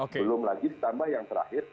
belum lagi ditambah yang terakhir